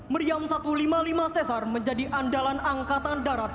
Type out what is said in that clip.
meriam satu ratus lima puluh lima cesar menjadi andalan angkatan darat